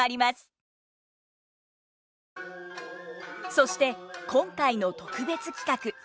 そして今回の特別企画。